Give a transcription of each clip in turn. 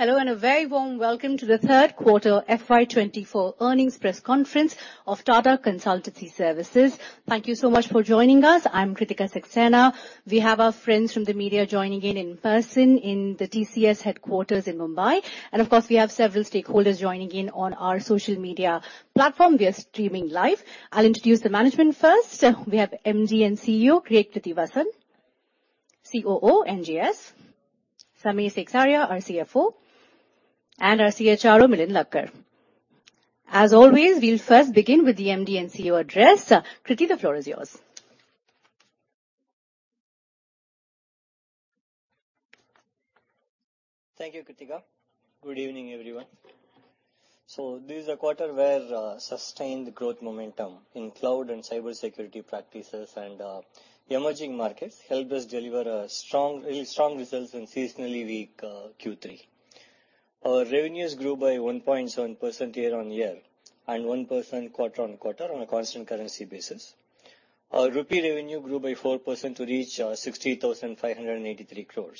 Hello, and a very warm welcome to the third quarter FY 2024 earnings press conference of Tata Consultancy Services. Thank you so much for joining us. I'm Kritika Saxena. We have our friends from the media joining in, in person in the TCS headquarters in Mumbai, and, of course, we have several stakeholders joining in on our social media platform. We are streaming live. I'll introduce the management first. We have MD and CEO, K. Krithivasan; COO, NGS; Samir Seksaria, our CFO; and our CHRO, Milind Lakkad. As always, we'll first begin with the MD and CEO address. K. Krithivasan, the floor is yours. Thank you, Kritika. Good evening, everyone. So this is a quarter where sustained growth momentum in cloud and cybersecurity practices and the emerging markets helped us deliver a strong, really strong results in seasonally weak Q3. Our revenues grew by 1.7% year-on-year and 1% quarter-on-quarter on a constant currency basis. Our rupee revenue grew by 4% to reach 63,583 crore.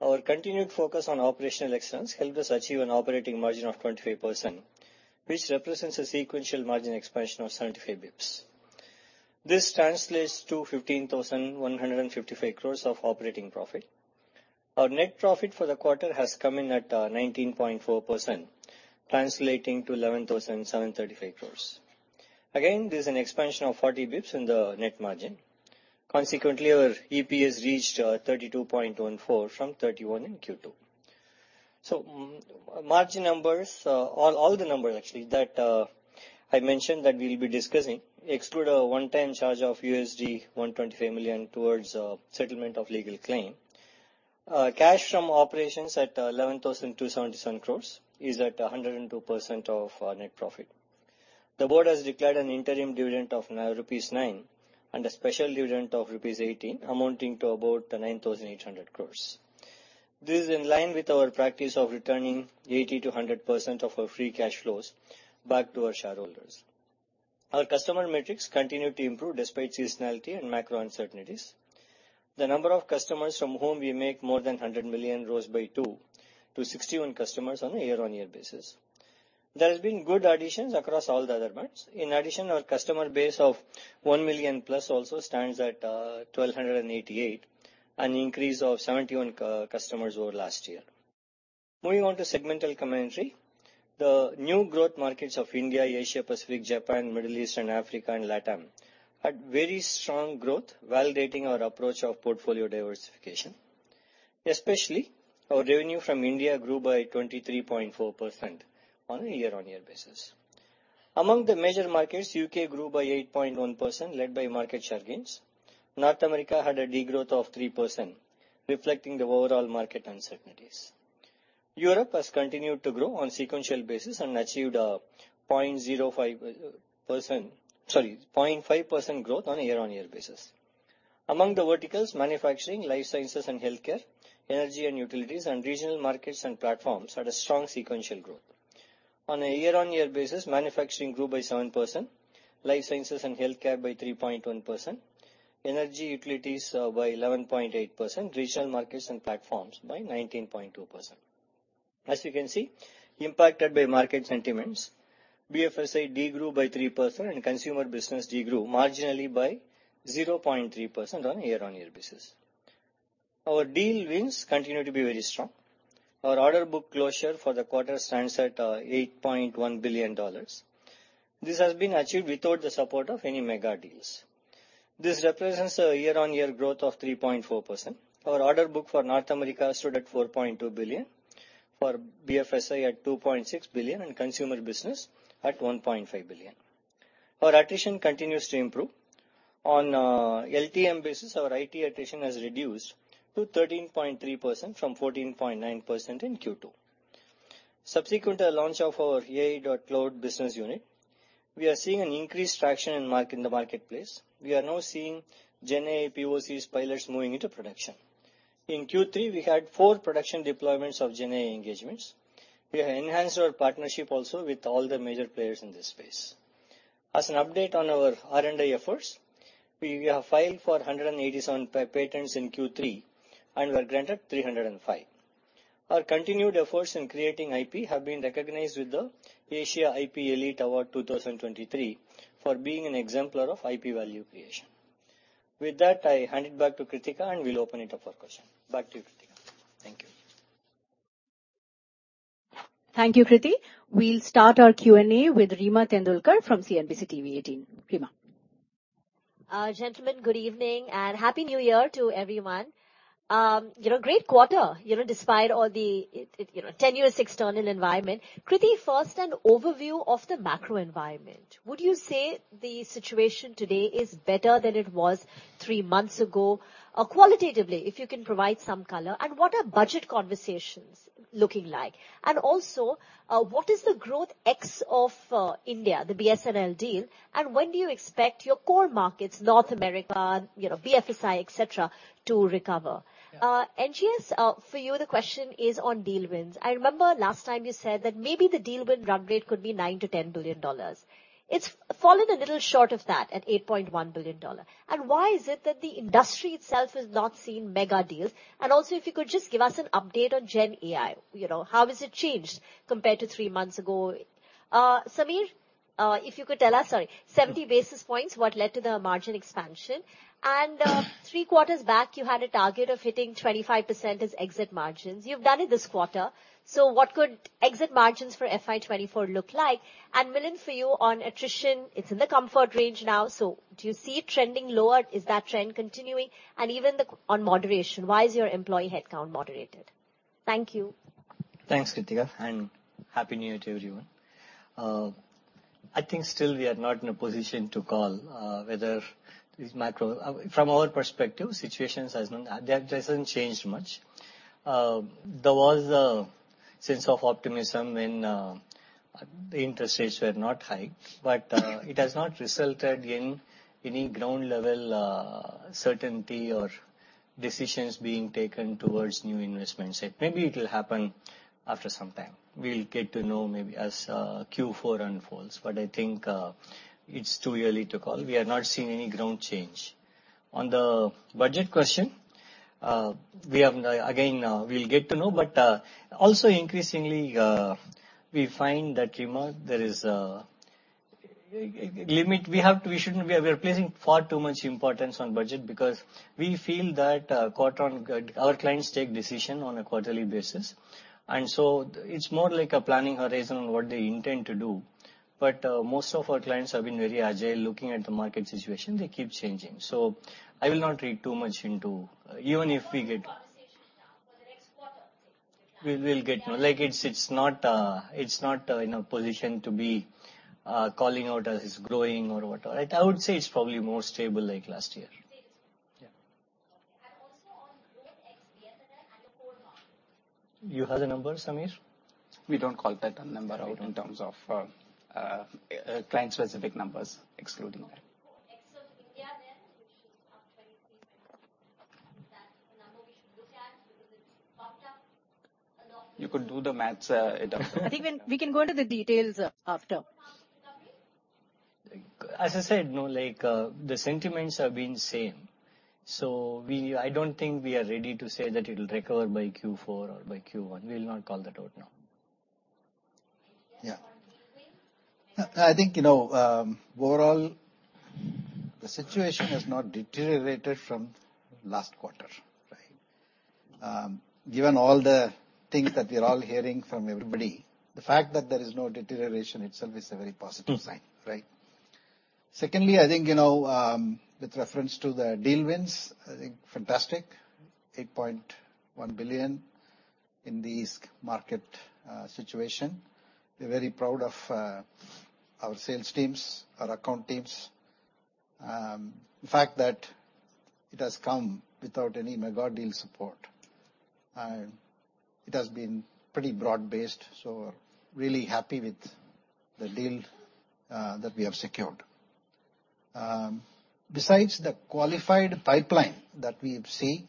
Our continued focus on operational excellence helped us achieve an operating margin of 25%, which represents a sequential margin expansion of 75 basis points. This translates to 15,155 crore of operating profit. Our net profit for the quarter has come in at 19.4%, translating to 11,735 crore. Again, this is an expansion of 40 basis points in the net margin. Consequently, our EPS reached 32.14 from 31 in Q2. So margin numbers, all the numbers actually that I mentioned, that we'll be discussing exclude a one-time charge of $125 million towards settlement of legal claim. Cash from operations at 11,277 crore is at 102% of net profit. The board has declared an interim dividend of rupees 9, and a special dividend of rupees 18, amounting to about 9,800 crore. This is in line with our practice of returning 80%-100% of our free cash flows back to our shareholders. Our customer metrics continue to improve despite seasonality and macro uncertainties. The number of customers from whom we make more than $100 million rose by 2 to 61 customers on a year-on-year basis. There has been good additions across all the other months. In addition, our customer base of $1 million+ also stands at 1,288, an increase of 71 customers over last year. Moving on to segmental commentary. The new growth markets of India, Asia Pacific, Japan, Middle East and Africa, and Latam had very strong growth, validating our approach of portfolio diversification. Especially, our revenue from India grew by 23.4% on a year-on-year basis. Among the major markets, U.K. grew by 8.1%, led by market share gains. North America had a degrowth of 3%, reflecting the overall market uncertainties. Europe has continued to grow on sequential basis and achieved a 0.5% growth on a year-on-year basis. Among the verticals: manufacturing, life sciences and healthcare, energy and utilities, and regional markets and platforms had a strong sequential growth. On a year-on-year basis, manufacturing grew by 7%, life sciences and healthcare by 3.1%, energy utilities by 11.8%, regional markets and platforms by 19.2%. As you can see, impacted by market sentiments, BFSI degrew by 3% and consumer business degrew marginally by 0.3% on a year-on-year basis. Our deal wins continue to be very strong. Our order book closure for the quarter stands at $8.1 billion. This has been achieved without the support of any mega deals. This represents a year-on-year growth of 3.4%. Our order book for North America stood at $4.2 billion, for BFSI at $2.6 billion, and consumer business at $1.5 billion. Our attrition continues to improve. On LTM basis, our IT attrition has reduced to 13.3% from 14.9% in Q2. Subsequent to the launch of our AI.Cloud business unit, we are seeing an increased traction in the marketplace. We are now seeing GenAI POCs pilots moving into production. In Q3, we had four production deployments of GenAI engagements. We have enhanced our partnership also with all the major players in this space. As an update on our R&D efforts, we have filed for 187 patents in Q3 and were granted 305. Our continued efforts in creating IP have been recognized with the Asia IP Elite Award 2023, for being an exemplar of IP value creation. With that, I hand it back to Kritika, and we'll open it up for questions. Back to you, Kritika. Thank you. Thank you, Krithi. We'll start our Q&A with Reema Tendulkar from CNBC TV18. Reema? Gentlemen, good evening, and Happy New Year to everyone. You know, great quarter, you know, despite all the, you know, tenuous external environment. Krithi, first, an overview of the macro environment. Would you say the situation today is better than it was three months ago? Qualitatively, if you can provide some color. And what are budget conversations looking like? And also, what is the growth ex of, India, the BSNL deal? And when do you expect your core markets, North America, you know, BFSI, et cetera, to recover? NGS, for you, the question is on deal wins. I remember last time you said that maybe the deal win run rate could be $9 billion-$10 billion. It's fallen a little short of that at $8.1 billion. Why is it that the industry itself has not seen mega deals? And also, if you could just give us an update on GenAI. You know, how has it changed compared to three months ago? Samir, if you could tell us... Sorry, 70 basis points, what led to the margin expansion? And, three quarters back, you had a target of hitting 25% as exit margins. You've done it this quarter.... So what could exit margins for FY 2024 look like? And Milind, for you on attrition, it's in the comfort range now, so do you see it trending lower? Is that trend continuing? And even the, on moderation, why is your employee headcount moderated? Thank you. Thanks, Kritika, and Happy New Year to everyone. I think still we are not in a position to call whether this macro... From our perspective, situations has not, that hasn't changed much. There was a sense of optimism when the interest rates were not high, but it has not resulted in any ground-level certainty or decisions being taken towards new investment set. Maybe it will happen after some time. We'll get to know maybe as Q4 unfolds, but I think it's too early to call. We have not seen any ground change. On the budget question, we have, again, we'll get to know, but also increasingly, we find that we are placing far too much importance on budget because we feel that our clients take decision on a quarterly basis, and so it's more like a planning horizon on what they intend to do. But most of our clients have been very agile looking at the market situation, they keep changing. So I will not read too much into... Even if we get- Conversation now for the next quarter. We will get. Like, it's, it's not in a position to be calling out as it's growing or whatever. I would say it's probably more stable like last year. It is. Yeah. Okay. Also on Growth ex-BSNL and the core markets. You have the numbers, Samir? We don't call that a number out in terms of client-specific numbers, excluding that. So, growth of India, then, which is up 23%. That's the number we should look at, because it's popped up a lot. You could do the maths, it up. I think we can, we can go into the details, after. As I said, you know, like, the sentiments have been same. So we—I don't think we are ready to say that it will recover by Q4 or by Q1. We will not call that out now. Yeah. I think, you know, overall, the situation has not deteriorated from last quarter, right? Given all the things that we are all hearing from everybody, the fact that there is no deterioration itself is a very positive sign, right? Secondly, I think, you know, with reference to the deal wins, I think fantastic. $8.1 billion in this market, situation. We're very proud of our sales teams, our account teams. The fact that it has come without any mega deal support, and it has been pretty broad-based, so really happy with the deal that we have secured. Besides, the qualified pipeline that we see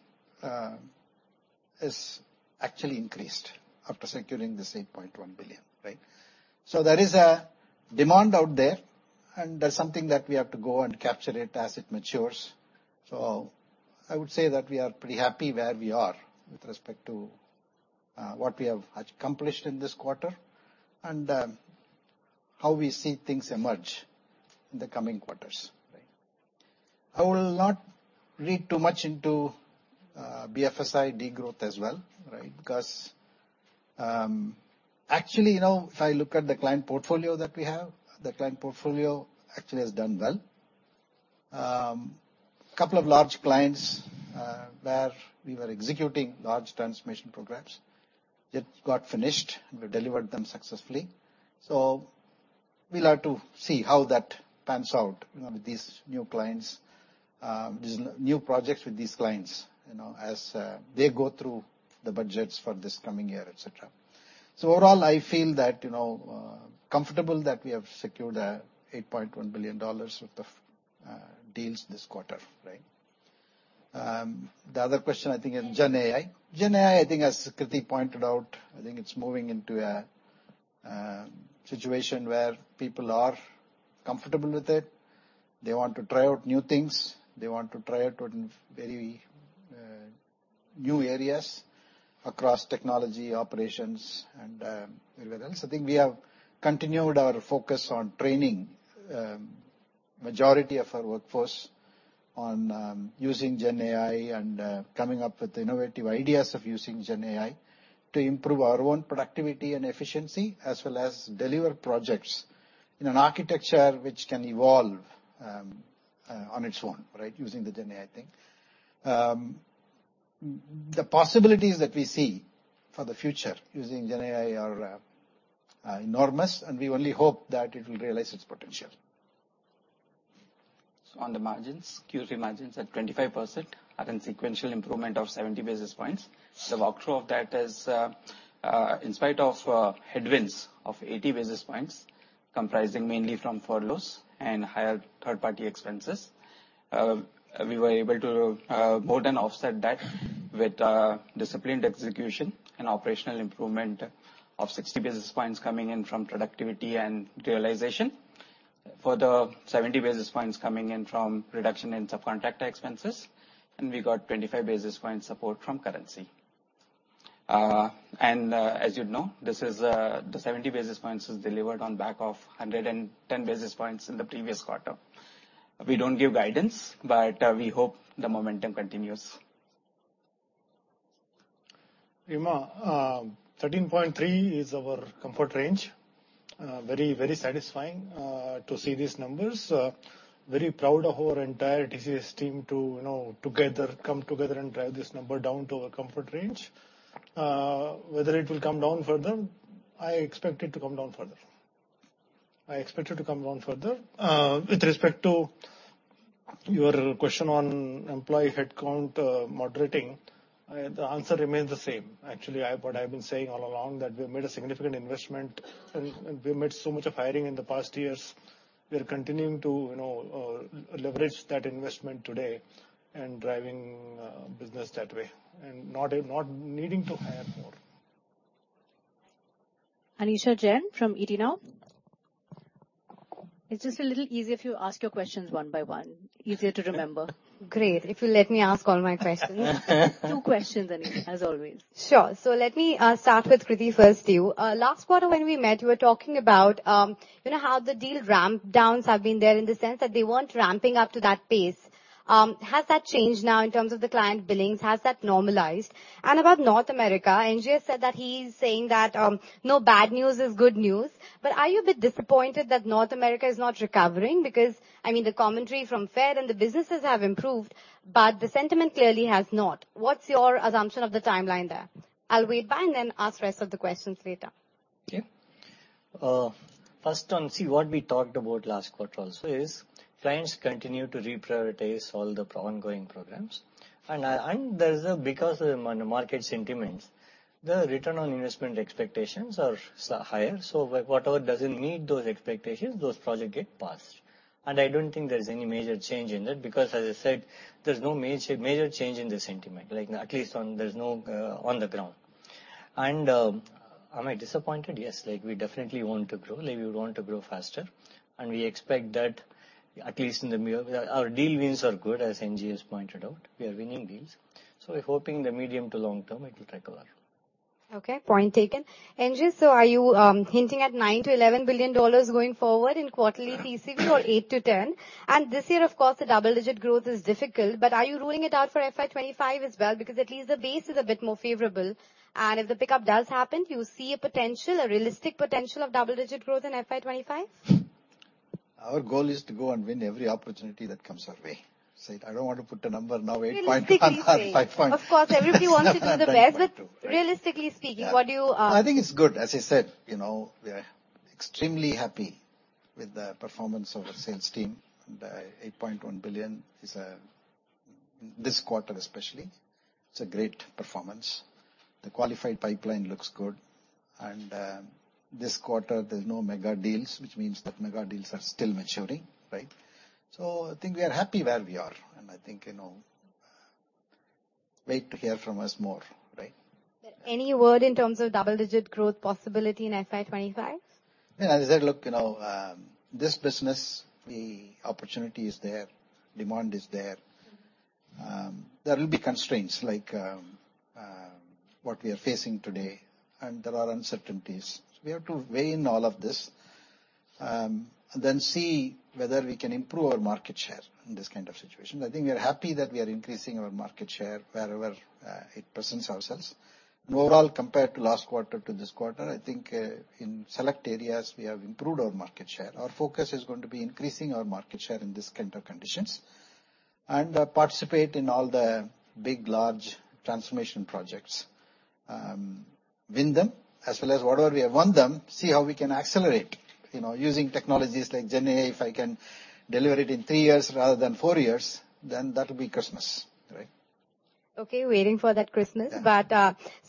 is actually increased after securing the $8.1 billion, right? So there is a demand out there, and that's something that we have to go and capture it as it matures. So I would say that we are pretty happy where we are with respect to what we have accomplished in this quarter, and how we see things emerge in the coming quarters, right. I will not read too much into BFSI degrowth as well, right? Because, actually, you know, if I look at the client portfolio that we have, the client portfolio actually has done well. Couple of large clients where we were executing large transformation programs, it got finished, we delivered them successfully. So we'll have to see how that pans out, you know, with these new clients, these new projects with these clients, you know, as they go through the budgets for this coming year, et cetera. So overall, I feel that, you know, comfortable that we have secured $8.1 billion worth of deals this quarter, right? The other question, I think, is GenAI. GenAI, I think as Krithi pointed out, I think it's moving into a situation where people are comfortable with it. They want to try out new things. They want to try out with very new areas across technology, operations and everywhere else. I think we have continued our focus on training majority of our workforce on using GenAI and coming up with innovative ideas of using GenAI to improve our own productivity and efficiency, as well as deliver projects in an architecture which can evolve on its own, right, using the GenAI thing. The possibilities that we see for the future using GenAI are enormous, and we only hope that it will realize its potential. So on the margins, Q3 margins at 25% are in sequential improvement of 70 basis points. The walkthrough of that is, in spite of headwinds of 80 basis points, comprising mainly from furloughs and higher third-party expenses, we were able to more than offset that with disciplined execution and operational improvement of 60 basis points coming in from productivity and realization. For the 70 basis points coming in from reduction in subcontractor expenses, and we got 25 basis points support from currency. And, as you'd know, this is, the 70 basis points is delivered on back of 110 basis points in the previous quarter. We don't give guidance, but, we hope the momentum continues. Reema, 13.3 is our comfort range. Very, very satisfying to see these numbers. Very proud of our entire TCS team to, you know, together come together and drive this number down to our comfort range. Whether it will come down further, I expect it to come down further. I expect it to come down further. With respect to your question on employee headcount, moderating, the answer remains the same. Actually, what I've been saying all along, that we have made a significant investment, and we made so much of hiring in the past years. We are continuing to, you know, leverage that investment today and driving business that way, and not needing to hire more. Anisha Jain from ET Now. It's just a little easier if you ask your questions one by one, easier to remember. Great, if you let me ask all my questions. Two questions, Anisha, as always. Sure. So let me start with Krithi, first to you. Last quarter when we met, you were talking about, you know, how the deal ramp downs have been there, in the sense that they weren't ramping up to that pace. Has that changed now in terms of the client billings? Has that normalized? And about North America, NGS has said that he is saying that, no bad news is good news. But are you a bit disappointed that North America is not recovering? Because, I mean, the commentary from Fed and the businesses have improved, but the sentiment clearly has not. What's your assumption of the timeline there? I'll wait by and then ask the rest of the questions later. Okay. First on see what we talked about last quarter also is, clients continue to reprioritize all the ongoing programs. And there is because of the market sentiments, the return on investment expectations are higher. So whatever doesn't meet those expectations, those projects get paused. And I don't think there's any major change in that, because as I said, there's no major change in the sentiment, like, at least on the ground. Am I disappointed? Yes, like, we definitely want to grow, like, we want to grow faster, and we expect that at least in the near... Our deal wins are good, as NGS has pointed out. We are winning deals, so we're hoping the medium to long term, it will recover. Okay, point taken. NGS, so are you hinting at $9 billion-$11 billion going forward in quarterly TCV or $8 billion-$10 billion? And this year, of course, the double-digit growth is difficult, but are you ruling it out for FY 2025 as well? Because at least the base is a bit more favorable, and if the pickup does happen, do you see a potential, a realistic potential of double-digit growth in FY 2025? Our goal is to go and win every opportunity that comes our way. So I don't want to put a number now, 8 point- 5 point- Of course, everybody wants to know the best, but realistically speaking, what do you, I think it's good. As I said, you know, we are extremely happy with the performance of our sales team, and $8.1 billion is this quarter especially, it's a great performance. The qualified pipeline looks good, and this quarter there's no mega deals, which means that mega deals are still maturing, right? So I think we are happy where we are, and I think, you know, wait to hear from us more, right? Any word in terms of double-digit growth possibility in FY 2025? Yeah, as I said, look, you know, this business, the opportunity is there, demand is there. There will be constraints like what we are facing today, and there are uncertainties. We have to weigh in all of this, and then see whether we can improve our market share in this kind of situation. I think we are happy that we are increasing our market share wherever it presents ourselves. And overall, compared to last quarter to this quarter, I think in select areas, we have improved our market share. Our focus is going to be increasing our market share in this kind of conditions, and participate in all the big, large transformation projects. Win them, as well as whatever we have won them, see how we can accelerate, you know, using technologies like GenAI, if I can deliver it in three years rather than four years, then that will be Christmas, right? Okay, waiting for that Christmas. Yeah. But,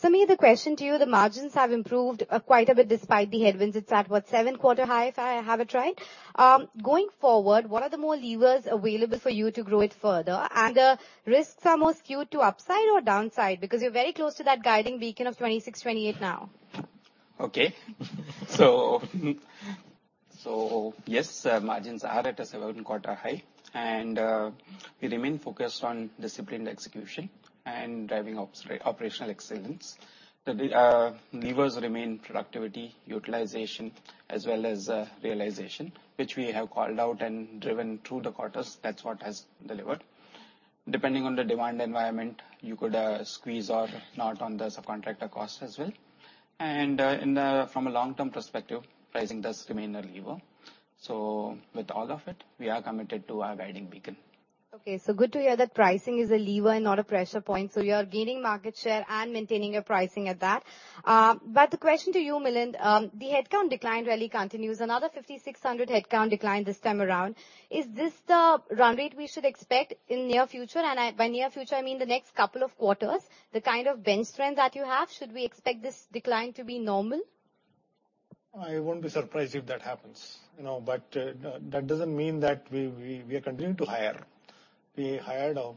Samir, the question to you, the margins have improved quite a bit despite the headwinds. It's at, what, seven-quarter high, if I have it right? Going forward, what are the more levers available for you to grow it further? And the risks are more skewed to upside or downside, because you're very close to that guiding beacon of 26%-28% now. Okay. So yes, margins are at a seven-quarter high, and we remain focused on disciplined execution and driving ops, operational excellence. The levers remain productivity, utilization, as well as realization, which we have called out and driven through the quarters. That's what has delivered. Depending on the demand environment, you could squeeze or not on the subcontractor cost as well. And from a long-term perspective, pricing does remain a lever. So with all of it, we are committed to our guiding beacon. Okay, so good to hear that pricing is a lever and not a pressure point. You are gaining market share and maintaining your pricing at that. But the question to you, Milind, the headcount decline really continues. Another 5,600 headcount decline this time around. Is this the run rate we should expect in near future? And by near future, I mean the next couple of quarters. The kind of bench strength that you have, should we expect this decline to be normal? I won't be surprised if that happens, you know, but that doesn't mean that we are continuing to hire. We hired a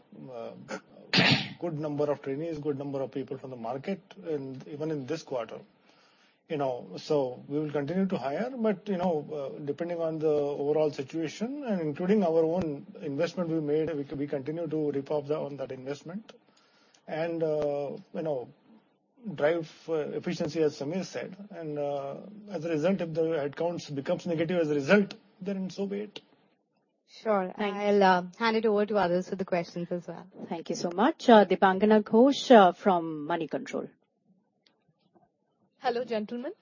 good number of trainees, good number of people from the market, and even in this quarter. You know, so we will continue to hire, but, you know, depending on the overall situation, and including our own investment we made, we continue to repopulate on that investment. And, you know, drive efficiency, as Samir said. And, as a result, if the headcounts becomes negative as a result, then so be it. Sure. I'll hand it over to others for the questions as well. Thank you so much. Debangana Ghosh from Moneycontrol. Hello, gentlemen.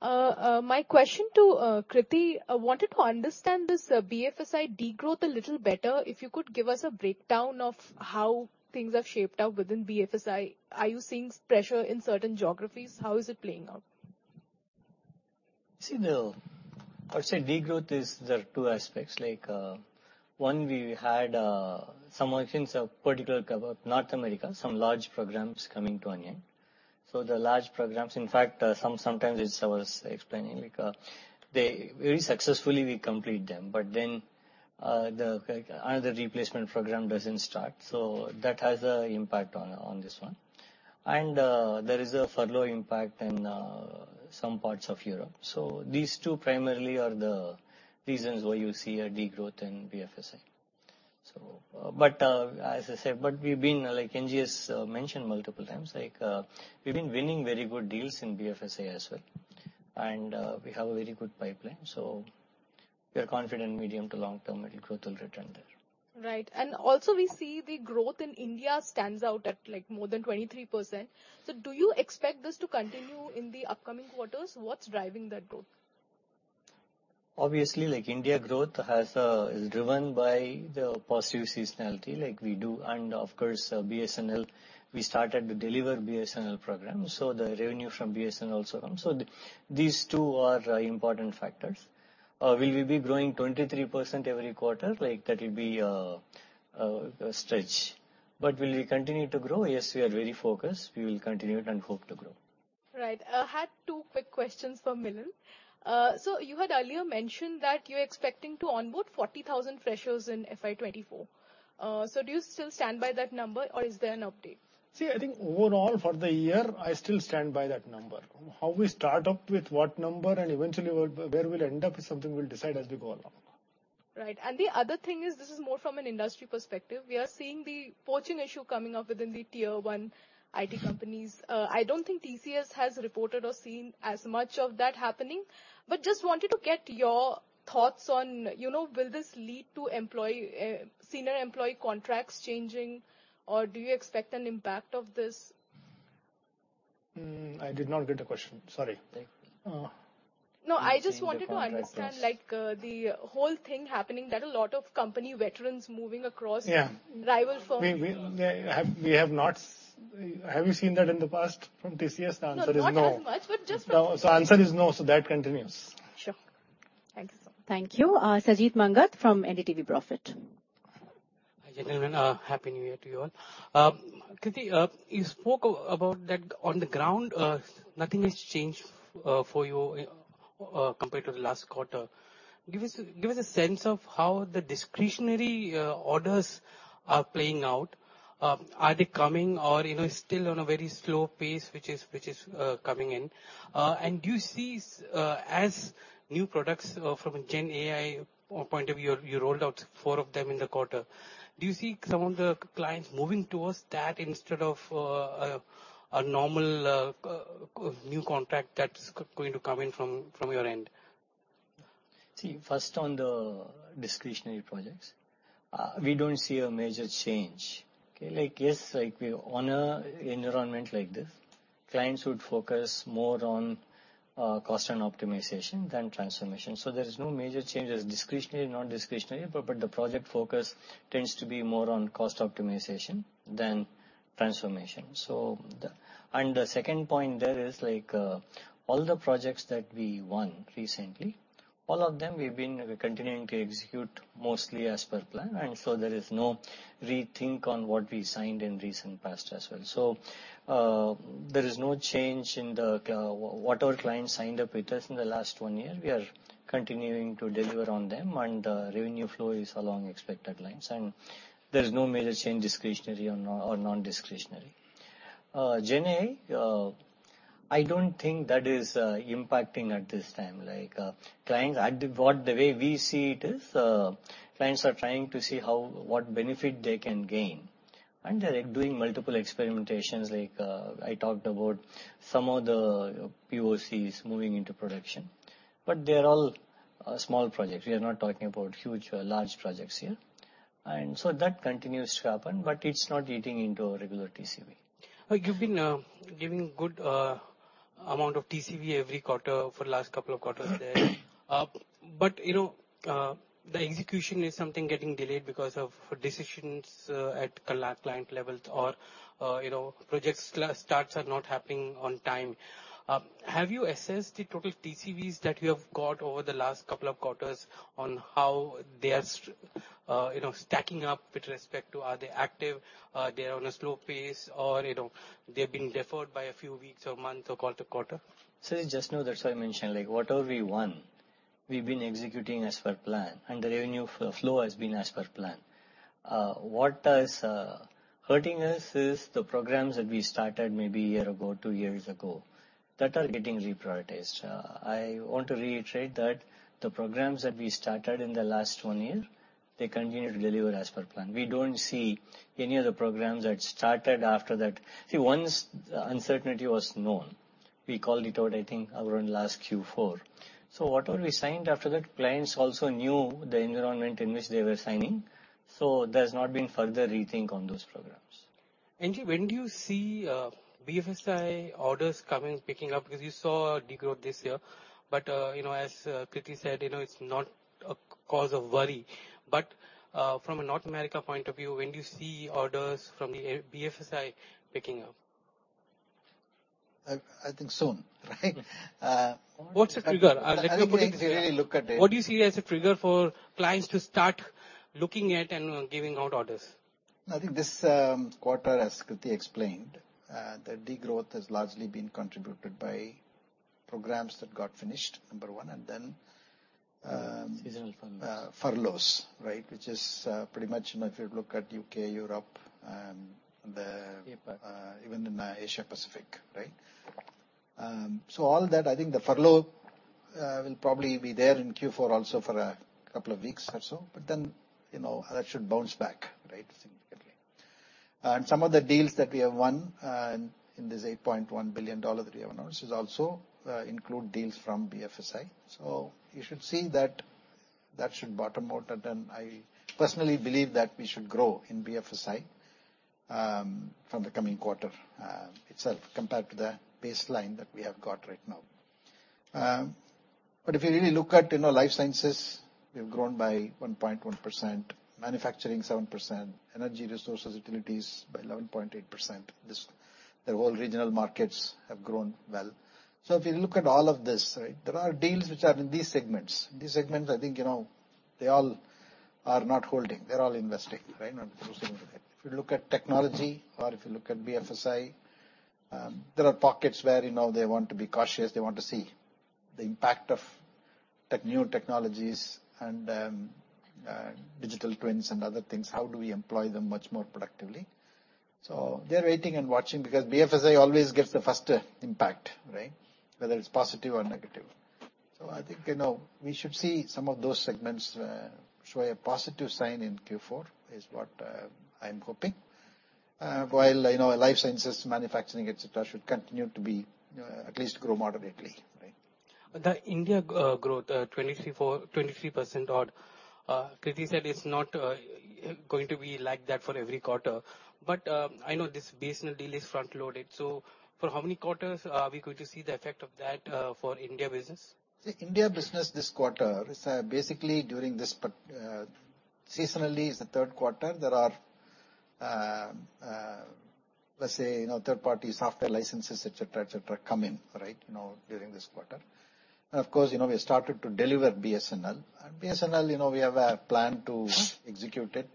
My question to Krithi, I wanted to understand this BFSI degrowth a little better. If you could give us a breakdown of how things have shaped up within BFSI. Are you seeing pressure in certain geographies? How is it playing out? See the—I would say degrowth. There are two aspects, like, one, we had some merchants, particular about North America, some large programs coming to an end. So the large programs, in fact, sometimes it's I was explaining, like, they very successfully we complete them, but then, the another replacement program doesn't start, so that has an impact on, on this one. And, there is a furlough impact in, some parts of Europe. So these two primarily are the reasons why you see a degrowth in BFSI. So but, as I said, but we've been, like NGS has mentioned multiple times, like, we've been winning very good deals in BFSI as well, and, we have a very good pipeline, so we are confident medium to long term, the growth will return there. Right. Also, we see the growth in India stands out at, like, more than 23%. So do you expect this to continue in the upcoming quarters? What's driving that growth? Obviously, like, India growth has is driven by the positive seasonality like we do. And of course, BSNL, we started to deliver BSNL program, so the revenue from BSNL also comes. So these two are important factors. Will we be growing 23% every quarter? Like, that will be a stretch. But will we continue to grow? Yes, we are very focused. We will continue it and hope to grow. Right. I had two quick questions for Milind. So you had earlier mentioned that you're expecting to onboard 40,000 freshers in FY 2024. So do you still stand by that number, or is there an update? See, I think overall, for the year, I still stand by that number. How we start up with what number and eventually where, where we'll end up is something we'll decide as we go along. Right. And the other thing is, this is more from an industry perspective. We are seeing the poaching issue coming up within the tier one IT companies. I don't think TCS has reported or seen as much of that happening, but just wanted to get your thoughts on, you know, will this lead to employee, senior employee contracts changing, or do you expect an impact of this? Hmm, I did not get the question. Sorry. No, I just wanted to understand, like, the whole thing happening, that a lot of company veterans moving across- Yeah. -rival firms. We have not... Have you seen that in the past from TCS? The answer is no. Not as much, but just- No. So answer is no, so that continues. Sure. Thanks. Thank you. Sajeet Manghat from NDTV Profit. Hi, gentlemen. Happy New Year to you all. Krithi, you spoke about that on the ground, nothing has changed for you compared to the last quarter. Give us a sense of how the discretionary orders are playing out. Are they coming or, you know, still on a very slow pace, which is coming in? And do you see, as new products from a GenAI point of view, you rolled out four of them in the quarter. Do you see some of the clients moving towards that instead of a normal new contract that's going to come in from your end? See, first on the discretionary projects, we don't see a major change. Okay. Like, yes, like we on an environment like this, clients would focus more on, cost and optimization than transformation. So there is no major change as discretionary, not discretionary, but, but the project focus tends to be more on cost optimization than transformation. So the... And the second point there is, like, all the projects that we won recently, all of them we've been continuing to execute mostly as per plan, and so there is no rethink on what we signed in recent past as well. So, there is no change in what our clients signed up with us in the last one year. We are continuing to deliver on them, and, revenue flow is along expected lines, and there is no major change, discretionary or non-discretionary. GenAI, I don't think that is impacting at this time. Like, clients—at the way we see it is, clients are trying to see how what benefit they can gain, and they're doing multiple experimentations. Like, I talked about some of the POCs moving into production, but they are all small projects. We are not talking about huge large projects here. And so that continues to happen, but it's not eating into our regular TCV. You've been giving good amount of TCV every quarter for the last couple of quarters there. But, you know, the execution is something getting delayed because of decisions at a large client level or, you know, projects starts are not happening on time. Have you assessed the total TCVs that you have got over the last couple of quarters on how they are, you know, stacking up with respect to are they active, they are on a slow pace, or, you know, they're being deferred by a few weeks or months or quarter to quarter? So you just know, that's why I mentioned, like, whatever we won, we've been executing as per plan, and the revenue flow has been as per plan. What is hurting us is the programs that we started maybe a year ago, two years ago. That are getting reprioritized. I want to reiterate that the programs that we started in the last one year, they continue to deliver as per plan. We don't see any of the programs that started after that. See, once the uncertainty was known, we called it out, I think, around last Q4. So what were we signed after that, clients also knew the environment in which they were signing, so there's not been further rethink on those programs. NG, when do you see BFSI orders coming, picking up? Because you saw a degrowth this year. But you know, as Krithi said, you know, it's not a cause of worry. But from a North America point of view, when do you see orders from the BFSI picking up? I think soon, right? What's the trigger? Let me put it this way. I think if you really look at it- What do you see as a trigger for clients to start looking at and giving out orders? I think this quarter, as Krithi explained, the degrowth has largely been contributed by programs that got finished, number one, and then, Seasonal furloughs. Furloughs, right? Which is pretty much, you know, if you look at U.K., Europe, the- APAC. Even in Asia Pacific, right? So all that, I think the furlough will probably be there in Q4 also for a couple of weeks or so, but then, you know, that should bounce back, right, significantly. And some of the deals that we have won, in this $8.1 billion that we have announced, is also include deals from BFSI. So you should see that, that should bottom out, and then I personally believe that we should grow in BFSI, from the coming quarter, itself, compared to the baseline that we have got right now. But if you really look at, you know, life sciences, we've grown by 1.1%, manufacturing 7%, energy resources, utilities by 11.8%. This, the whole regional markets have grown well. So if you look at all of this, right, there are deals which are in these segments. These segments, I think, you know, they all are not holding, they're all investing, right? Not losing with it. If you look at technology or if you look at BFSI, there are pockets where, you know, they want to be cautious, they want to see the impact of tech, new technologies and, digital twins and other things. How do we employ them much more productively? So they're waiting and watching because BFSI always gets the first impact, right? Whether it's positive or negative. So I think, you know, we should see some of those segments, show a positive sign in Q4, is what, I'm hoping. While, you know, life sciences, manufacturing, et cetera, should continue to be, at least grow moderately, right. The India growth, 23% odd, Krithi said, it's not going to be like that for every quarter. But, I know this BSNL deal is front-loaded, so for how many quarters are we going to see the effect of that, for India business? See, India business this quarter is basically during this past seasonally is the third quarter. There are, let's say, you know, third-party software licenses, et cetera, et cetera, coming, right, you know, during this quarter. And of course, you know, we started to deliver BSNL. And BSNL, you know, we have a plan to execute it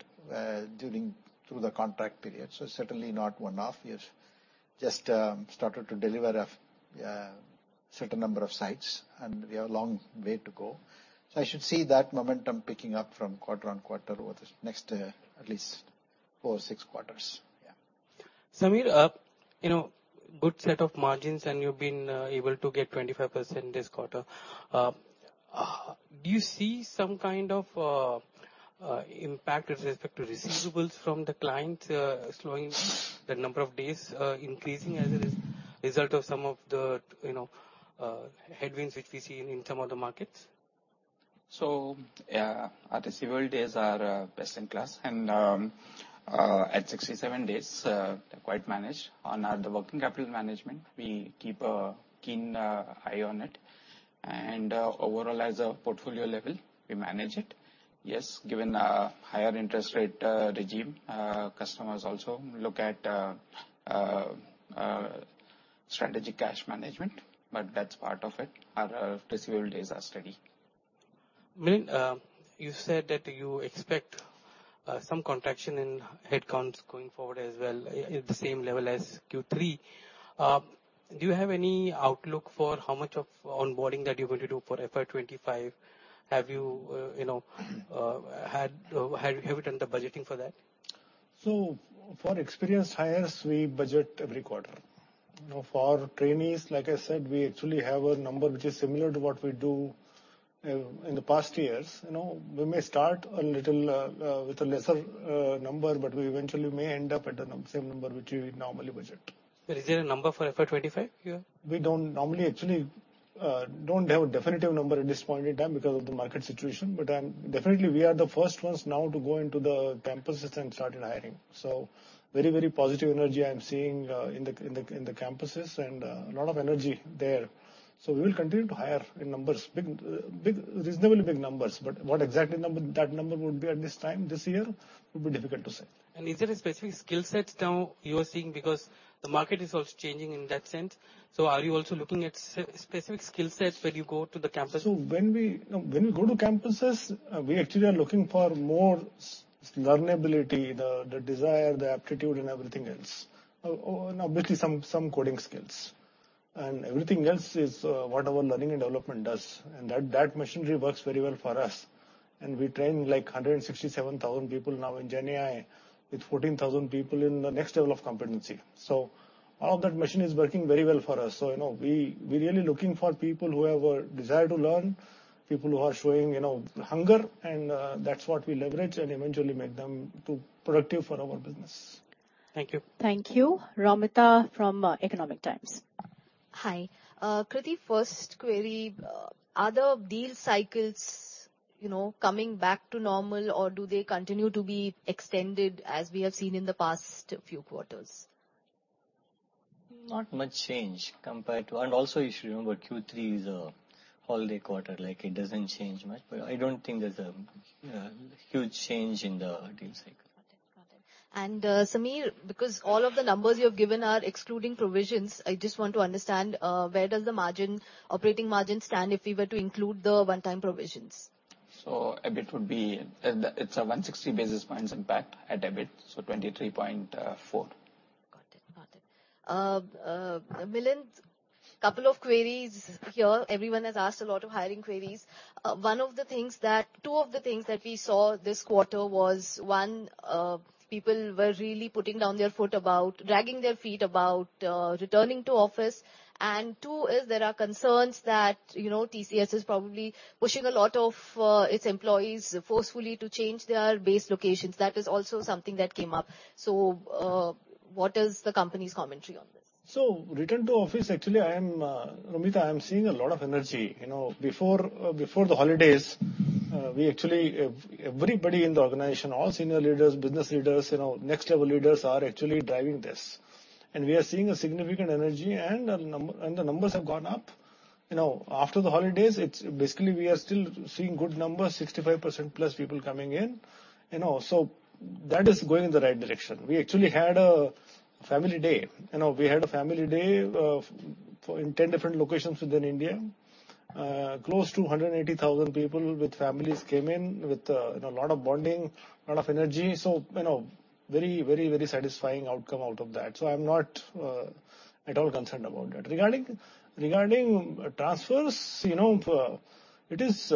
during through the contract period. So certainly not one-off. We've just started to deliver a certain number of sites, and we have a long way to go. So I should see that momentum picking up from quarter on quarter over the next at least four, six quarters. Yeah. Samir, you know, good set of margins, and you've been able to get 25% this quarter. Do you see some kind of impact with respect to receivables from the client, slowing, the number of days increasing as a result of some of the, you know, headwinds which we see in some of the markets? So, yeah, our receivable days are best in class, and at 67 days, they're quite managed. On the working capital management, we keep a keen eye on it, and overall, as a portfolio level, we manage it. Yes, given a higher interest rate regime, customers also look at strategic cash management, but that's part of it. Our receivable days are steady. Milind, you said that you expect some contraction in headcounts going forward as well, at the same level as Q3. Do you have any outlook for how much of onboarding that you're going to do for FY 2025? Have you, you know, have you done the budgeting for that? So for experienced hires, we budget every quarter. You know, for our trainees, like I said, we actually have a number which is similar to what we do in the past years. You know, we may start a little with a lesser number, but we eventually may end up at the same number which we normally budget. Is there a number for FY 2025 you have? Actually, don't have a definitive number at this point in time because of the market situation, but definitely, we are the first ones now to go into the campuses and start in hiring. So very, very positive energy I'm seeing in the campuses and a lot of energy there. So we will continue to hire in big, reasonably big numbers, but what exactly number, that number would be at this time, this year, would be difficult to say. Is there a specific skill set now you are seeing? Because the market is also changing in that sense. So are you also looking at specific skill sets when you go to the campuses? So when we go to campuses, we actually are looking for more learnability, the desire, the aptitude and everything else. And obviously, some coding skills. And everything else is what our learning and development does, and that machinery works very well for us. And we trained like 167,000 people now in GenAI, with 14,000 people in the next level of competency. So all of that machine is working very well for us. So, you know, we're really looking for people who have a desire to learn, people who are showing, you know, hunger, and that's what we leverage and eventually make them productive for our business. Thank you. Thank you. Romita from, Economic Times. Hi. Krithi, first query, are the deal cycles, you know, coming back to normal, or do they continue to be extended as we have seen in the past few quarters? Not much change compared to... And also, you should remember Q3 is a holiday quarter, like, it doesn't change much, but I don't think there's a huge change in the deal cycle. Got it. And, Samir, because all of the numbers you have given are excluding provisions, I just want to understand, where does the margin, operating margin stand if we were to include the one-time provisions? So EBIT would be. It's a 160 basis points impact at EBIT, so 23.4. Got it. Got it. Milind, couple of queries here. Everyone has asked a lot of hiring queries. One of the things that—Two of the things that we saw this quarter was, one, people were really putting down their foot about... dragging their feet about, returning to office. And two, is there are concerns that, you know, TCS is probably pushing a lot of its employees forcefully to change their base locations. That is also something that came up. So, what is the company's commentary on this? So return to office, actually, I am, Romita, I am seeing a lot of energy. You know, before, before the holidays, we actually, everybody in the organization, all senior leaders, business leaders, you know, next-level leaders, are actually driving this. And we are seeing a significant energy, and the numbers have gone up. You know, after the holidays, it's basically we are still seeing good numbers, 65% plus people coming in, you know, so that is going in the right direction. We actually had a family day. You know, we had a family day, for, in 10 different locations within India. Close to 180,000 people with families came in with, you know, a lot of bonding, a lot of energy. So, you know, very, very, very satisfying outcome out of that. So I'm not at all concerned about that. Regarding transfers, you know, it is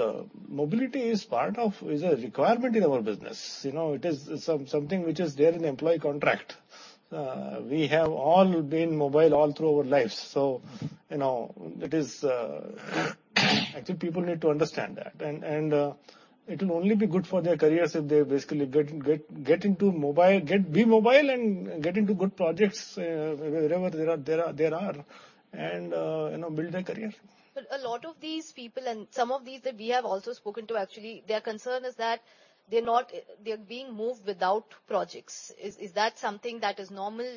mobility is part of... is a requirement in our business. You know, it is something which is there in the employee contract. We have all been mobile all through our lives, so, you know, it is actually people need to understand that. And it will only be good for their careers if they basically get into mobile, be mobile and get into good projects, wherever there are, and you know, build their career. A lot of these people, and some of these that we have also spoken to, actually, their concern is that they're not, they're being moved without projects. Is, is that something that is normal,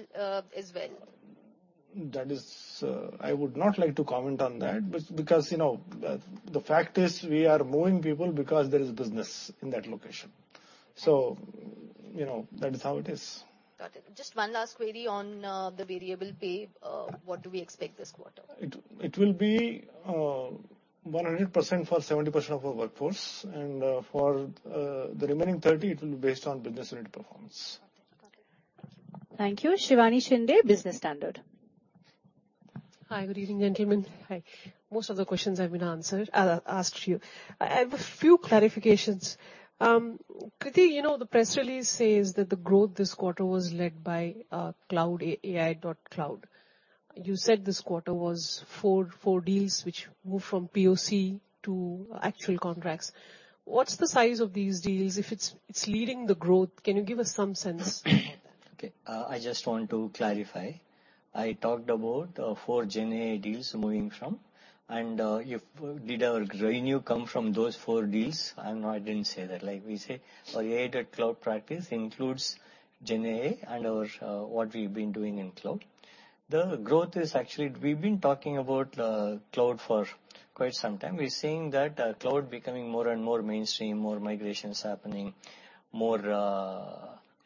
as well? That is, I would not like to comment on that because, you know, the fact is, we are moving people because there is business in that location. So, you know, that is how it is. Got it. Just one last query on the variable pay. What do we expect this quarter? It will be 100% for 70% of our workforce, and for the remaining 30, it will be based on business unit performance. Got it. Thank you. Shivani Shinde, Business Standard. Hi, good evening, gentlemen. Hi. Most of the questions have been answered, asked to you. I have a few clarifications. Krithi, you know, the press release says that the growth this quarter was led by, Cloud AI, AI.Cloud. You said this quarter was four, four deals which moved from POC to actual contracts. What's the size of these deals? If it's, it's leading the growth, can you give us some sense about that? Okay, I just want to clarify. I talked about four GenAI deals moving from, and, if... Did our revenue come from those four deals? No, I didn't say that. Like we say, our AI.Cloud practice includes GenAI and our what we've been doing in cloud. The growth is actually... We've been talking about cloud for quite some time. We're seeing that cloud becoming more and more mainstream, more migrations happening, more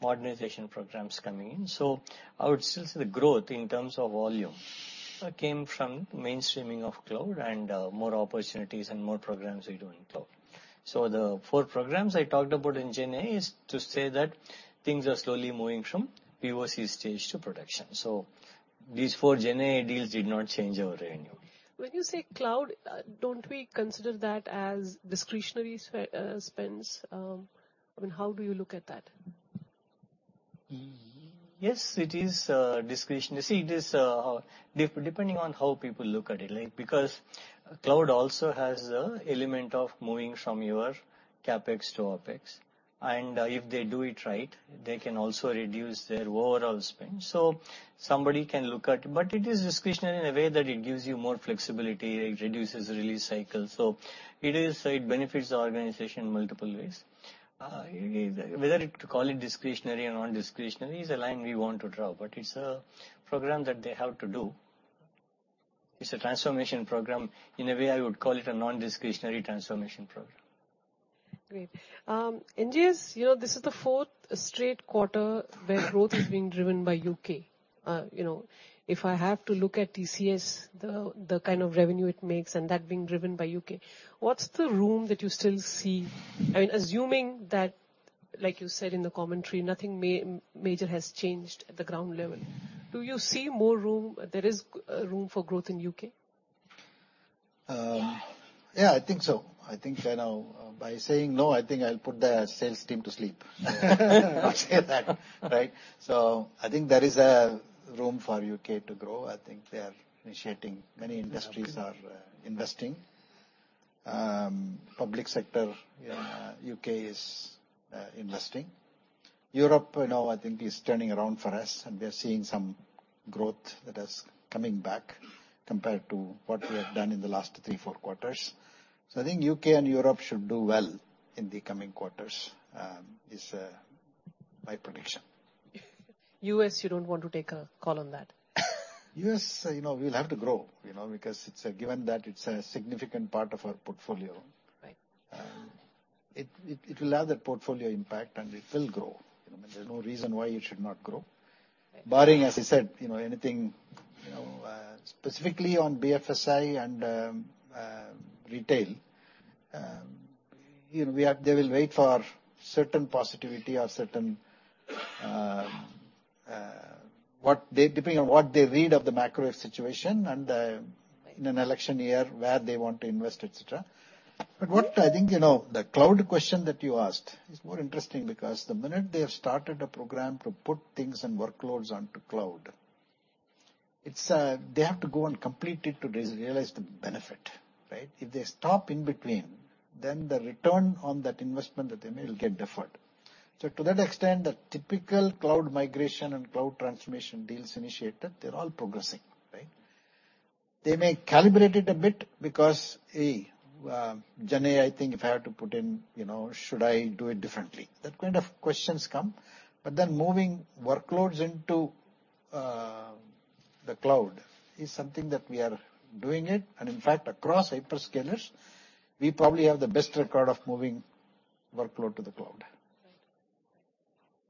modernization programs coming in. So I would still say the growth in terms of volume came from mainstreaming of cloud and more opportunities and more programs we do in cloud. So the four programs I talked about in GenAI is to say that things are slowly moving from POC stage to production. So these four GenAI deals did not change our revenue. When you say cloud, don't we consider that as discretionary spends? I mean, how do you look at that? Yes, it is discretionary. See, it is depending on how people look at it, like, because cloud also has an element of moving from your CapEx to OpEx, and if they do it right, they can also reduce their overall spend. So somebody can look at... But it is discretionary in a way that it gives you more flexibility, it reduces the release cycle, so it benefits the organization in multiple ways. Whether to call it discretionary or non-discretionary is a line we want to draw, but it's a program that they have to do. It's a transformation program. In a way, I would call it a non-discretionary transformation program. Great. In years, you know, this is the fourth straight quarter where growth is being driven by U.K. You know, if I have to look at TCS, the, the kind of revenue it makes and that being driven by U.K., what's the room that you still see? I mean, assuming that, like you said in the commentary, nothing major has changed at the ground level, do you see more room, there is, room for growth in U.K.? Yeah, I think so. I think, you know, by saying no, I think I'll put the sales team to sleep. I'll say that, right? So I think there is a room for U.K. to grow. I think they are initiating, many industries are investing. Public sector, U.K. is investing. Europe now, I think, is turning around for us, and we are seeing some growth that is coming back compared to what we have done in the last three, four quarters. So I think U.K. and Europe should do well in the coming quarters, is my prediction. U.S., you don't want to take a call on that? U.S., you know, we will have to grow, you know, because it's a given that it's a significant part of our portfolio. Right. It will have that portfolio impact, and it will grow. There's no reason why it should not grow. Barring, as I said, you know, anything, you know, specifically on BFSI and retail, you know, they will wait for certain positivity or certain... depending on what they read of the macro situation and in an election year, where they want to invest, et cetera. But what I think, you know, the cloud question that you asked is more interesting, because the minute they have started a program to put things and workloads onto cloud, it's they have to go and complete it to realize the benefit, right? If they stop in between, then the return on that investment that they made will get deferred. So to that extent, the typical cloud migration and cloud transformation deals initiated, they're all progressing, right? They may calibrate it a bit because, A, GenAI, I think if I have to put in, you know, should I do it differently? That kind of questions come. But then moving workloads into the cloud is something that we are doing it, and in fact, across hyperscalers, we probably have the best record of moving workload to the cloud.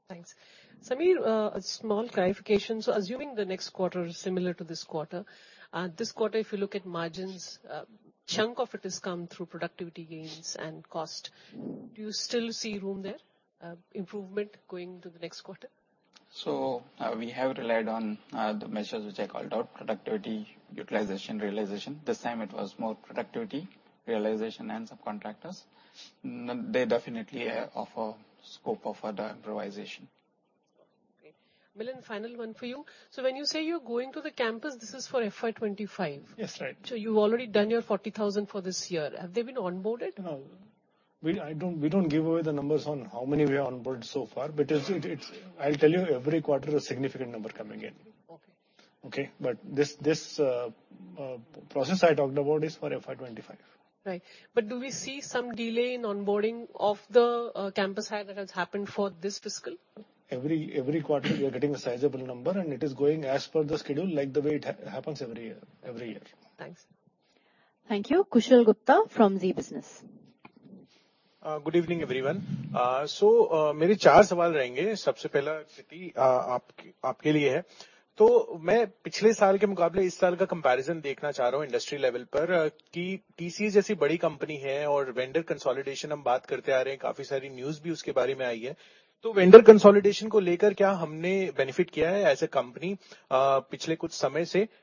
Thanks. Samir, a small clarification. So assuming the next quarter is similar to this quarter, this quarter, if you look at margins, chunk of it has come through productivity gains and cost. Do you still see room there, improvement going to the next quarter? So, we have relied on the measures which I called out, productivity, utilization, realization. This time it was more productivity, realization, and subcontractors. They definitely offer scope of further improvisation. Great. Milind, final one for you. So when you say you're going to the campus, this is for FY 2025? Yes, right. So you've already done your 40,000 for this year. Have they been onboarded? No. We don't give away the numbers on how many we have onboarded so far, but it's... I'll tell you every quarter, a significant number coming in. Okay. Okay? But this process I talked about is for FY 2025. Right. But do we see some delay in onboarding of the campus hire that has happened for this fiscal? Every quarter, we are getting a sizable number, and it is going as per the schedule, like the way it happens every year, every year. Thanks. Thank you. Kushal Gupta from Zee Business. Good evening,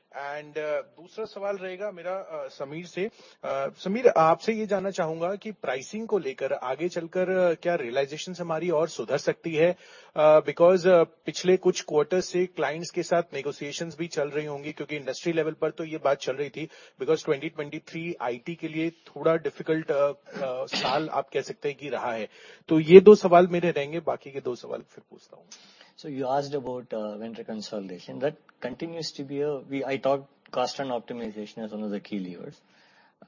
everyone. So you asked about vendor consolidation. That continues to be. I talked cost and optimization as one of the key levers,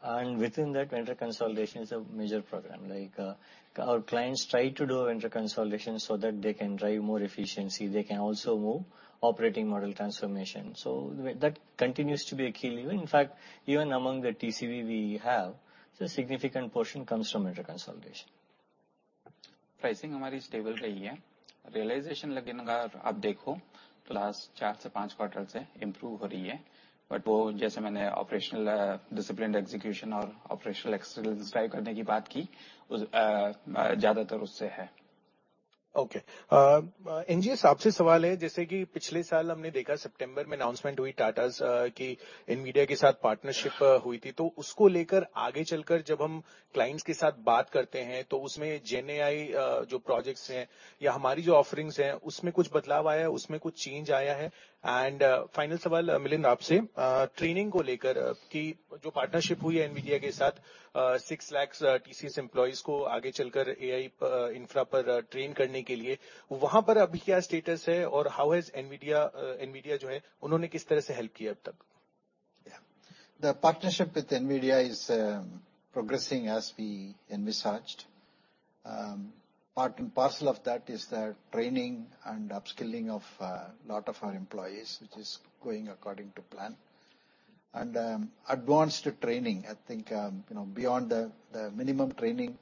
and within that, vendor consolidation is a major program. Like, our clients try to do a vendor consolidation so that they can drive more efficiency. They can also move operating model transformation. So that continues to be a key lever. In fact, even among the TCV we have, a significant portion comes from vendor consolidation. Pricing, stable realization. Last quarter, improve operational, disciplined execution or operational excellence. Okay. NG, yeah. The partnership with NVIDIA is progressing as we envisaged. Part and parcel of that is the training and upskilling of a lot of our employees, which is going according to plan. And advanced training, I think, you know, beyond the minimum training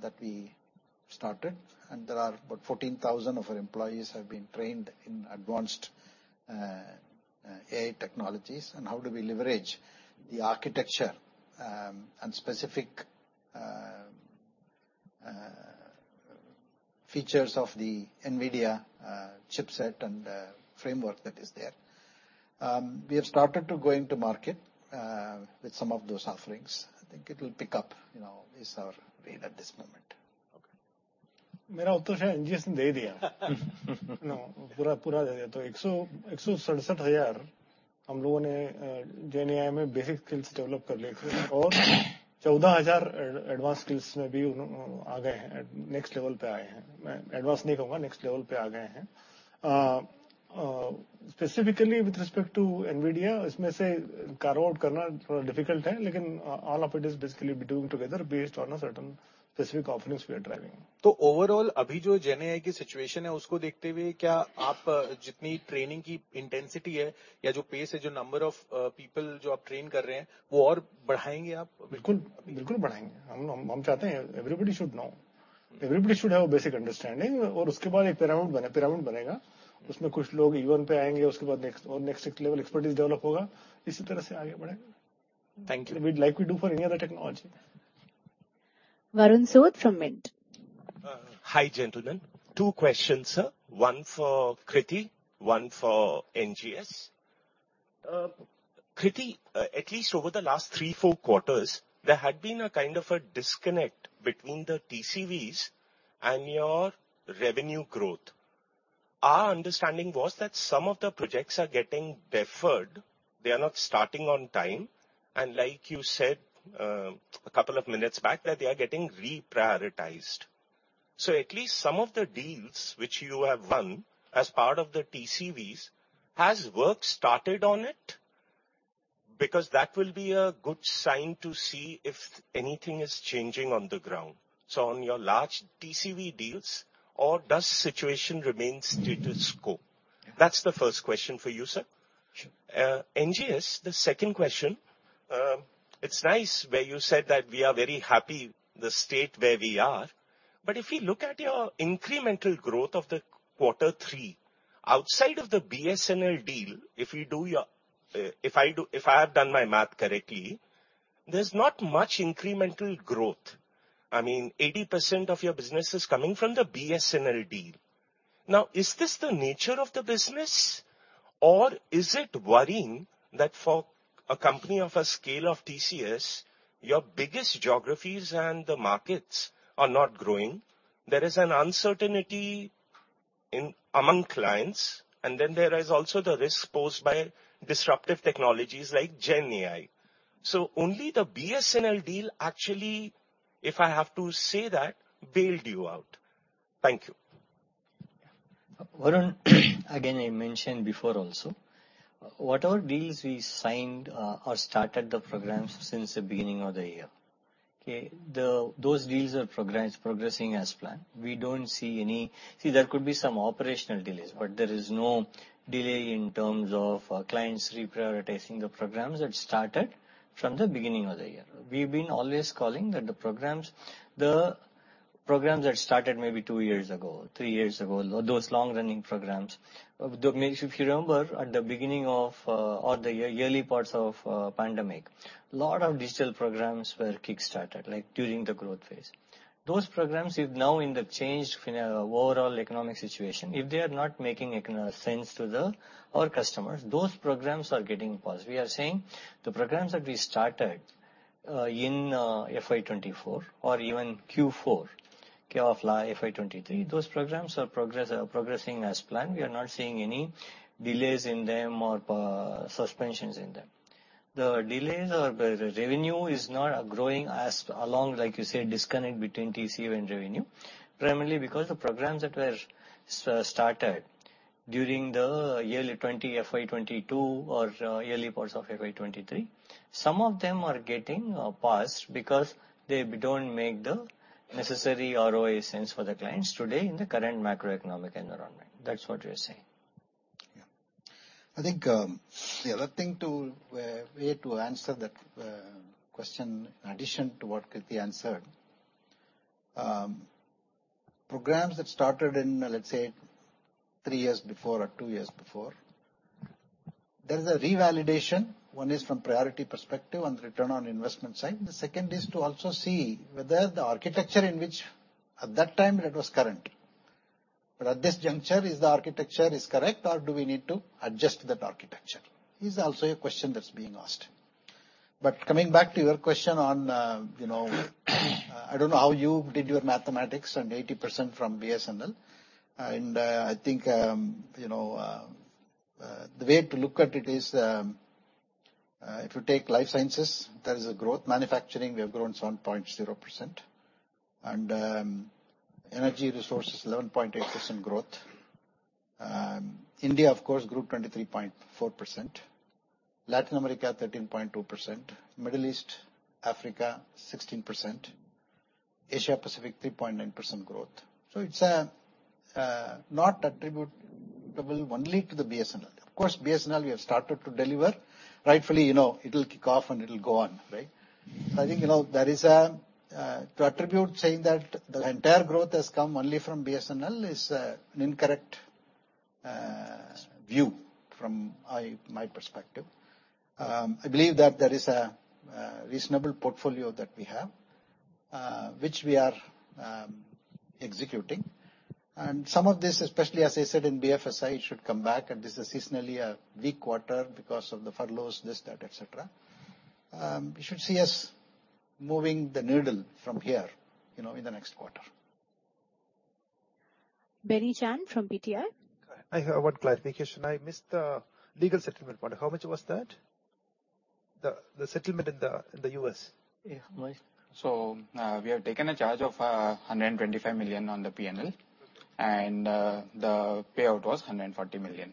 that we started, and there are about 14,000 of our employees have been trained in advanced AI technologies, and how do we leverage the architecture and specific features of the NVIDIA chipset and framework that is there. We have started to going to market with some of those offerings. I think it will pick up, you know, is our read at this moment. Okay. No, pura, pura. So 100,000 logon ne GenAI basic skills develop kar liye hai. Aur 14,000 advanced skills mein bhi un aa gaye hai, next level pe aaye hai. Advanced nahi kahunga, next level pe aa gaye hai. Specifically with respect to NVIDIA, isme se carve out karna thoda difficult hai, lekin, all of it is basically we're doing together based on a certain specific offerings we are driving. So overall, abhi jo GenAI ki situation hai, usko dekhte hue, kya aap jitni training ki intensity hai ya jo pace hai, jo number of people jo aap train kar rahe hai, woh aur badhayenge aap? Bilkul, bilkul badhayenge. Hum chahte hai everybody should know. Everybody should have a basic understanding, aur uske baad ek pyramid bane, pyramid banega. Usme kuch log even pe ayenge, uske baad next aur next level expertise develop hoga. Isi tarah se age badhe. Thank you. Like we do for any other technology. Varun Sood from Mint. Hi, gentlemen. Two questions, sir. One for Krithi, one for NGS. Krithi, at least over the last 3-4 quarters, there had been a kind of a disconnect between the TCVs and your revenue growth. Our understanding was that some of the projects are getting deferred. They are not starting on time. And like you said, a couple of minutes back, that they are getting reprioritized. So at least some of the deals which you have won as part of the TCVs, has work started on it? Because that will be a good sign to see if anything is changing on the ground. So on your large TCV deals, or does situation remain status quo? That's the first question for you, sir. Sure. NGS, the second question. It's nice where you said that we are very happy the state where we are, but if we look at your incremental growth of the quarter three, outside of the BSNL deal, if I have done my math correctly, there's not much incremental growth. I mean, 80% of your business is coming from the BSNL deal. Now, is this the nature of the business, or is it worrying that for a company of a scale of TCS, your biggest geographies and the markets are not growing? There is an uncertainty in, among clients, and then there is also the risk posed by disruptive technologies like GenAI. So only the BSNL deal, actually, if I have to say that, bailed you out. Thank you. Varun, again, I mentioned before also, what are deals we signed or started the programs since the beginning of the year? Okay, those deals are progressing as planned. We don't see any. See, there could be some operational delays, but there is no delay in terms of clients reprioritizing the programs that started from the beginning of the year. We've been always calling that the programs, the programs that started maybe two years ago, three years ago, those long-running programs. If you remember, at the beginning of or the yearly parts of pandemic, a lot of digital programs were kickstarted, like during the growth phase. Those programs is now in the changed financial overall economic situation. If they are not making economic sense to our customers, those programs are getting paused. We are saying the programs that we started in FY 2024 or even Q4 of FY 2023, those programs are progressing as planned. We are not seeing any delays in them or suspensions in them. The delays or the revenue is not growing as along, like you said, disconnect between TCV and revenue, primarily because the programs that were started during the year 2022, FY 2022 or early parts of FY 2023, some of them are getting paused because they don't make the necessary ROI sense for the clients today in the current macroeconomic environment. That's what we are saying. Yeah. I think, the other thing to, where to answer that, question, in addition to what Krithi answered. Programs that started in, let's say, three years before or two years before, there is a revalidation. One is from priority perspective on the return on investment side. The second is to also see whether the architecture in which at that time it was current. But at this juncture, is the architecture is correct or do we need to adjust that architecture? Is also a question that's being asked. But coming back to your question on, you know, I don't know how you did your mathematics and 80% from BSNL, and, I think, you know, the way to look at it is, if you take life sciences, there is a growth. Manufacturing, we have grown 7.0%. Energy resources, 11.8% growth. India, of course, grew 23.4%. Latin America, 13.2%. Middle East & Africa, 16%. Asia Pacific, 3.9% growth. So it's not attributable only to the BSNL. Of course, BSNL, we have started to deliver. Rightfully, you know, it'll kick off, and it'll go on, right? So I think, you know, there is a to attribute saying that the entire growth has come only from BSNL is an incorrect view from my perspective. I believe that there is a reasonable portfolio that we have which we are executing. And some of this, especially as I said, in BFSI, should come back, and this is seasonally a weak quarter because of the furloughs, this, that, et cetera. You should see us moving the needle from here, you know, in the next quarter. Benny John from BT. I have one clarification. I missed the legal settlement part. How much was that? The settlement in the U.S.? Yeah. We have taken a charge of $125 million on the P&L, and the payout was $140 million.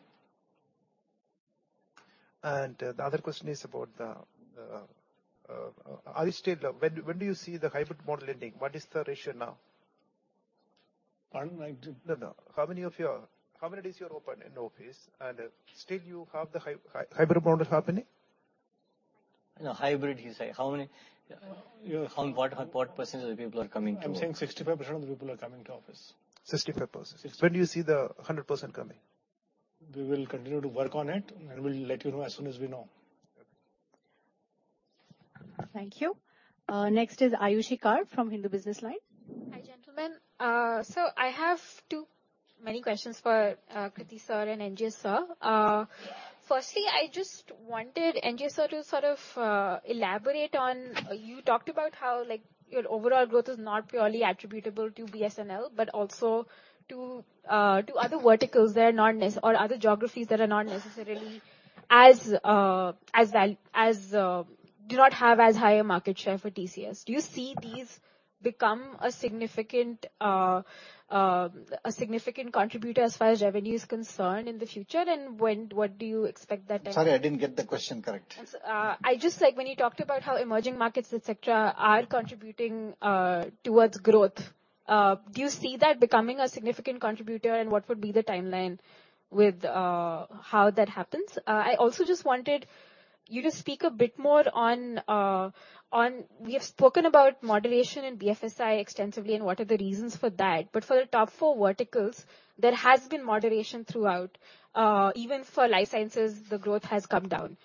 The other question is about are you still, when do you see the hybrid model ending? What is the ratio now? I don't like to- No, no. How many of your... How many days you're open in the office, and still you have the hybrid model happening? No, hybrid, you say. How many- Yeah. How, what, what percentage of the people are coming to- I'm saying 65% of the people are coming to office. 65%. When do you see the 100% coming? We will continue to work on it, and we'll let you know as soon as we know. Thank you. Next is Ayushi Kar from Hindu Business Line. Hi, gentlemen. I have too many questions for Krithi sir and NGS sir. Firstly, I just wanted NGS sir to sort of elaborate on... You talked about how, like, your overall growth is not purely attributable to BSNL, but also to other verticals that are not nec- or other geographies that are not necessarily as as val- as do not have as high a market share for TCS. Do you see these become a significant a significant contributor as far as revenue is concerned in the future? And when- what do you expect that to be? Sorry, I didn't get the question correct. I just like when you talked about how emerging markets, et cetera, are contributing towards growth. Do you see that becoming a significant contributor, and what would be the timeline with how that happens? I also just wanted you to speak a bit more. We have spoken about moderation in BFSI extensively and what are the reasons for that. But for the top four verticals, there has been moderation throughout. Even for life sciences, the growth has come down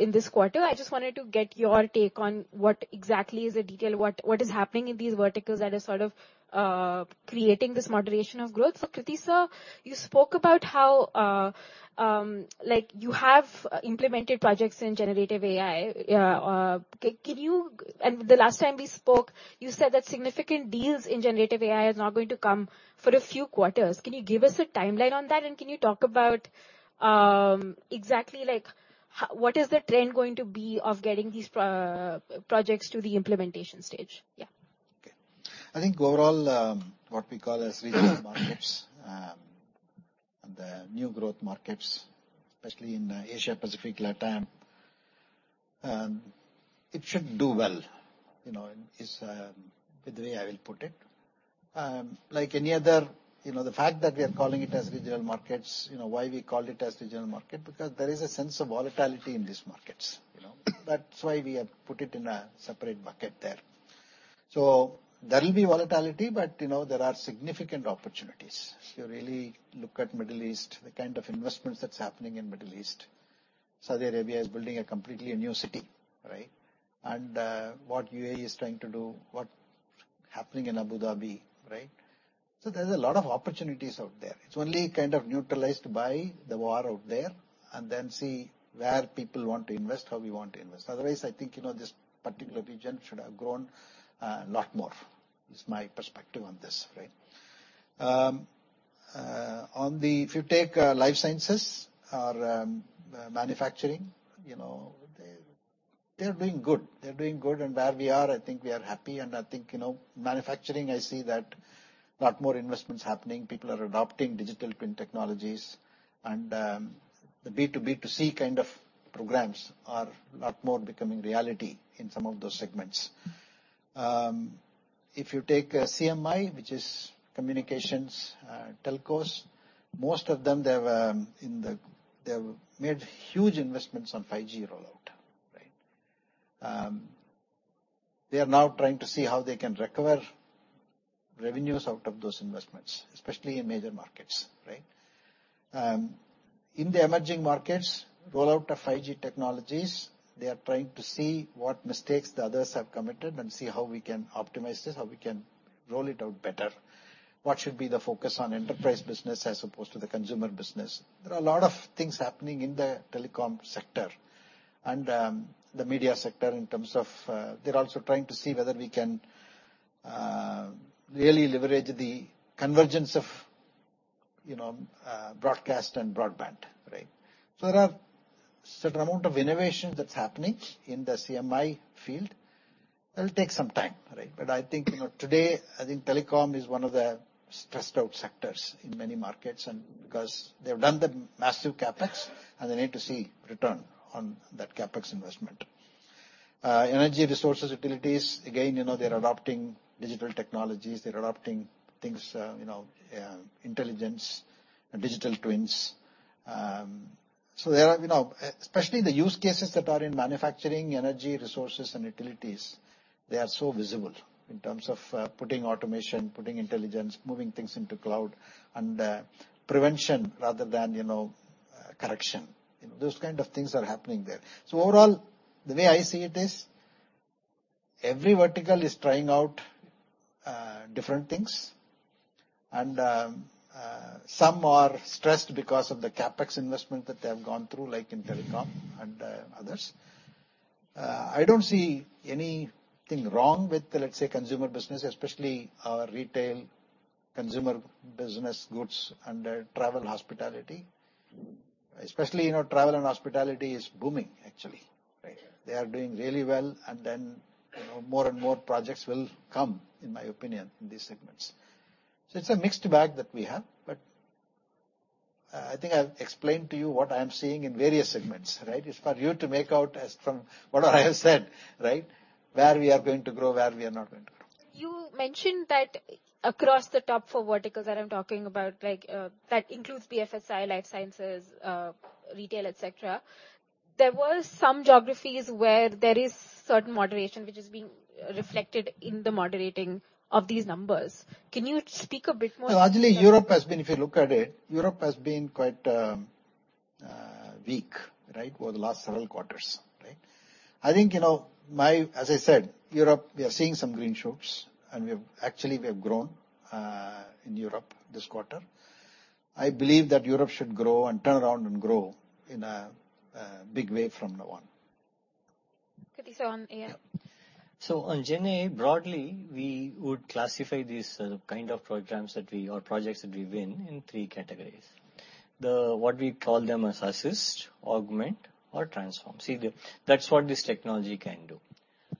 in this quarter. I just wanted to get your take on what exactly is the detail, what, what is happening in these verticals that are sort of creating this moderation of growth. So, Krithi sir, you spoke about how like you have implemented projects in generative AI. And the last time we spoke, you said that significant deals in generative AI is not going to come for a few quarters. Can you give us a timeline on that, and can you talk about exactly like what is the trend going to be of getting these POC projects to the implementation stage? Yeah. Okay. I think overall, what we call as regional markets, and the new growth markets, especially in Asia Pacific, Latin, it should do well. You know, the way I will put it. Like any other, you know, the fact that we are calling it as regional markets, you know, why we call it as regional market? Because there is a sense of volatility in these markets, you know. That's why we have put it in a separate bucket there. So there will be volatility, but, you know, there are significant opportunities. If you really look at Middle East, the kind of investments that's happening in Middle East. Saudi Arabia is building a completely a new city, right? And, what UAE is trying to do, what's happening in Abu Dhabi, right? So there's a lot of opportunities out there. It's only kind of neutralized by the war out there, and then see where people want to invest, how we want to invest. Otherwise, I think, you know, this particular region should have grown a lot more. This is my perspective on this, right? If you take life sciences or manufacturing, you know, they, they're doing good. They're doing good, and where we are, I think we are happy, and I think, you know, manufacturing, I see that a lot more investments happening. People are adopting digital twin technologies, and the B2B2C kind of programs are a lot more becoming reality in some of those segments. If you take CMI, which is communications, telcos, most of them, they've made huge investments on 5G rollout, right? They are now trying to see how they can recover revenues out of those investments, especially in major markets, right? In the emerging markets, rollout of 5G technologies, they are trying to see what mistakes the others have committed and see how we can optimize this, how we can roll it out better. What should be the focus on enterprise business as opposed to the consumer business? There are a lot of things happening in the telecom sector and, the media sector in terms of, They're also trying to see whether we can, really leverage the convergence of, you know, broadcast and broadband, right? So there are certain amount of innovation that's happening in the CMI field. It'll take some time, right? But I think, you know, today, I think telecom is one of the stressed-out sectors in many markets, and because they've done the massive CapEx, and they need to see return on that CapEx investment. Energy resources, utilities, again, you know, they're adopting digital technologies. They're adopting things, you know, intelligence and digital twins. So there are, you know, especially the use cases that are in manufacturing, energy, resources, and utilities, they are so visible in terms of, putting automation, putting intelligence, moving things into cloud, and, prevention rather than, you know, correction. Those kind of things are happening there. So overall, the way I see it is, every vertical is trying out, different things, and, some are stressed because of the CapEx investment that they have gone through, like in telecom and, others. I don't see anything wrong with, let's say, consumer business, especially our retail consumer business goods under travel and hospitality. Especially, you know, travel and hospitality is booming, actually, right? They are doing really well, and then, you know, more and more projects will come, in my opinion, in these segments. So it's a mixed bag that we have, but, I think I've explained to you what I'm seeing in various segments, right? It's for you to make out as from what I have said, right? Where we are going to grow, where we are not going to grow. You mentioned that across the top four verticals that I'm talking about, like, that includes BFSI, life sciences, retail, et cetera. There were some geographies where there is certain moderation, which is being reflected in the moderating of these numbers. Can you speak a bit more- So actually, Europe has been. If you look at it, Europe has been quite weak, right? Over the last several quarters, right? I think, you know, as I said, Europe, we are seeing some green shoots, and we have actually grown in Europe this quarter. I believe that Europe should grow and turn around and grow in a big way from now on. Krithi, so on AI? So on GenAI, broadly, we would classify these kind of programs that we or projects that we win in three categories. What we call them as assist, augment, or transform. See, that's what this technology can do.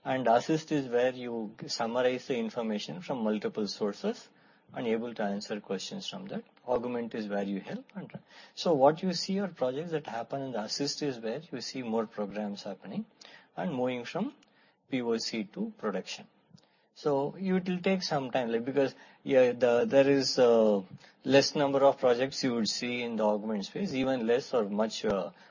And assist is where you summarize the information from multiple sources and able to answer questions from that. Augment is where you help and run. So what you see are projects that happen, and assist is where you see more programs happening and moving from POC to production. So it will take some time, like, because, yeah, the, there is less number of projects you would see in the augment space, even less or much,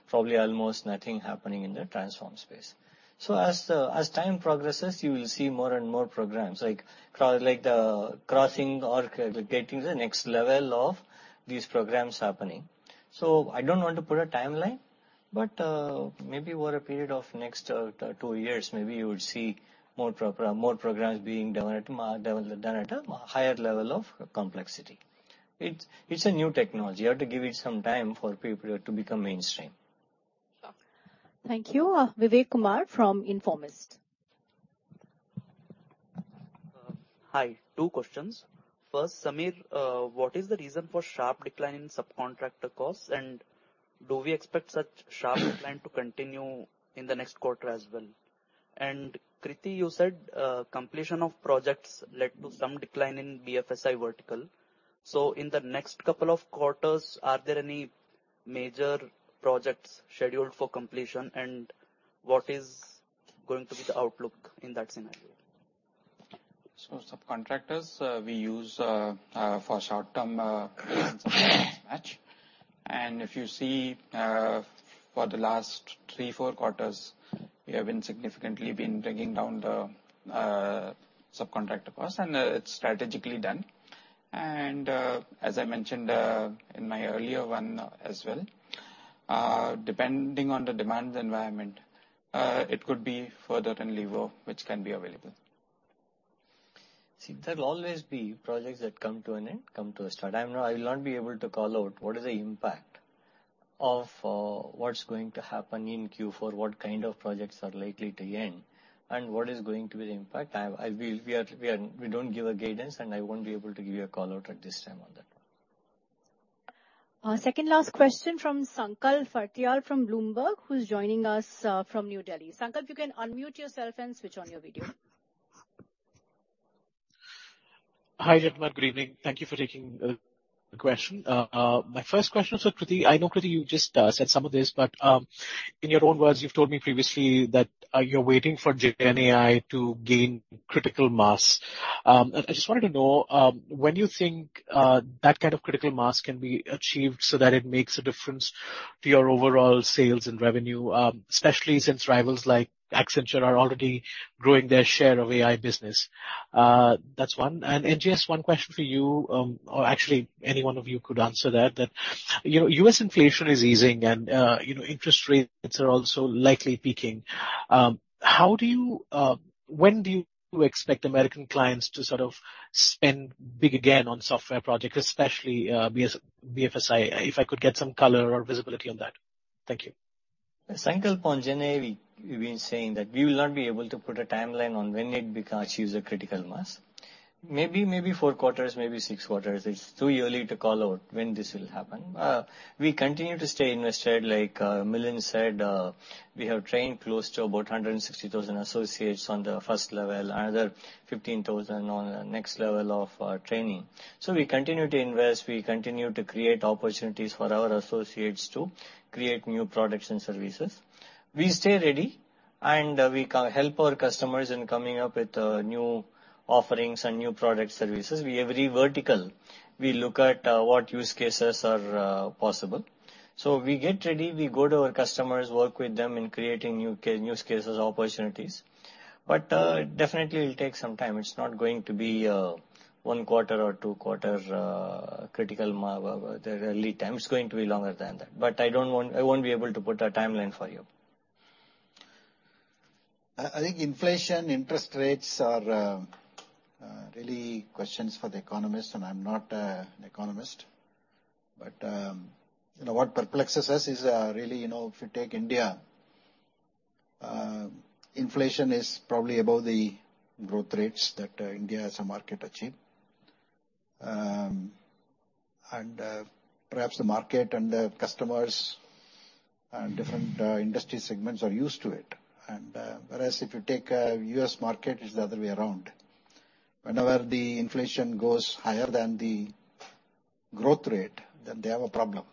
probably almost nothing happening in the transform space. So, as time progresses, you will see more and more programs, like, cross, like the crossing or getting the next level of these programs happening. So I don't want to put a timeline, but maybe over a period of next two years, maybe you would see more program, more programs being done at a higher level of complexity. It's a new technology. You have to give it some time for people to become mainstream. Thank you. Vivek Kumar from Informist. Hi. Two questions. First, Samir, what is the reason for sharp decline in subcontractor costs, and do we expect such sharp decline to continue in the next quarter as well? And, Krithi, you said, completion of projects led to some decline in BFSI vertical. So in the next couple of quarters, are there any major projects scheduled for completion, and what is going to be the outlook in that scenario? So subcontractors, we use for short-term match. And if you see for the last three, four quarters, we have been significantly been bringing down the subcontractor costs, and it's strategically done. And as I mentioned in my earlier one as well, depending on the demands environment, it could be further unlevered, which can be available. See, there'll always be projects that come to an end, come to a start. I'm not, I will not be able to call out what is the impact of what's going to happen in Q4, what kind of projects are likely to end, and what is going to be the impact. We are, we don't give a guidance, and I won't be able to give you a call-out at this time on that one. Our second last question from Sankalp Phartiyal from Bloomberg, who's joining us, from New Delhi. Sankalp, you can unmute yourself and switch on your video. Hi, everyone. Good evening. Thank you for taking the question. My first question is for Krithi. I know, Krithi, you just said some of this, but in your own words, you've told me previously that you're waiting for GenAI to gain critical mass. I just wanted to know when you think that kind of critical mass can be achieved so that it makes a difference to your overall sales and revenue, especially since rivals like Accenture are already growing their share of AI business? That's one. And just one question for you, or actually any one of you could answer that, you know, U.S. inflation is easing and you know, interest rates are also likely peaking. How do you... When do you expect American clients to sort of spend big again on software projects, especially, BFSI? If I could get some color or visibility on that. Thank you. Sankalp, on GenAI, we, we've been saying that we will not be able to put a timeline on when it achieves a critical mass. Maybe four quarters, maybe six quarters. It's too early to call out when this will happen. We continue to stay invested. Like, Milind said, we have trained close to about 160,000 associates on the first level, another 15,000 on the next level of training. So we continue to invest, we continue to create opportunities for our associates to create new products and services. We stay ready. We help our customers in coming up with new offerings and new product services. We, every vertical, we look at what use cases are possible. So we get ready, we go to our customers, work with them in creating new use cases or opportunities. But, it definitely will take some time. It's not going to be, one quarter or two quarter, critical, the lead time. It's going to be longer than that. But I don't want- I won't be able to put a timeline for you. I think inflation, interest rates are really questions for the economist, and I'm not an economist. But you know, what perplexes us is really you know, if you take India, inflation is probably above the growth rates that India as a market achieve. And perhaps the market and the customers and different industry segments are used to it. And whereas if you take U.S. market, it's the other way around. Whenever the inflation goes higher than the growth rate, then they have a problem,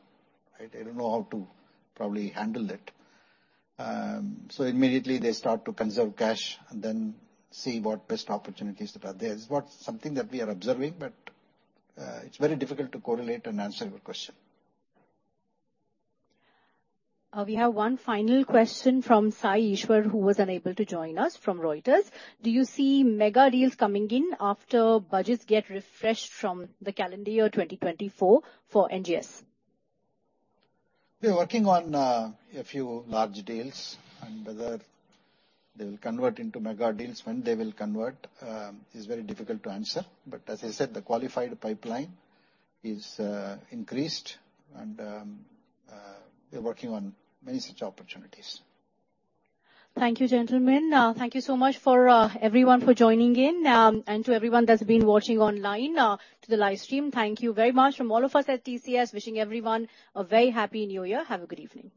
right? They don't know how to probably handle it. So immediately they start to conserve cash and then see what best opportunities that are there. It's what something that we are observing, but it's very difficult to correlate and answer your question. We have one final question from Sai Ishwar, who was unable to join us from Reuters. Do you see mega deals coming in after budgets get refreshed from the calendar year 2024 for NGS? We are working on a few large deals, and whether they will convert into mega deals, when they will convert, is very difficult to answer. But as I said, the qualified pipeline is increased and we're working on many such opportunities. Thank you, gentlemen. Thank you so much for everyone for joining in, and to everyone that's been watching online, to the live stream. Thank you very much from all of us at TCS. Wishing everyone a very happy New Year. Have a good evening.